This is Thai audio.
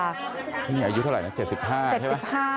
อายุเท่าไรน่ะ๗๕ใช่ปะ